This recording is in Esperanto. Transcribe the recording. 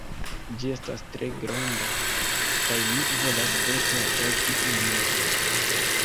Ĝi estas tre granda. kaj mi volas pepe ataki ilin